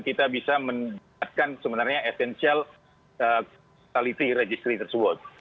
kita bisa mendapatkan sebenarnya essential saliti registry tersebut